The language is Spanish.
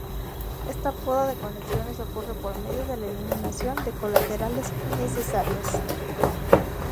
Esta poda de conexiones ocurre por medio de la eliminación de colaterales innecesarias.